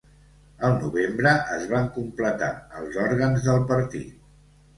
El novembre es van completar els òrgans del partit.